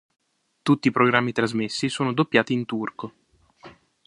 Tutti i programmi trasmessi sono doppiati in turco.